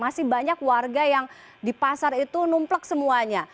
masih banyak warga yang di pasar itu numplek semuanya